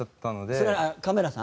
それはカメラさん？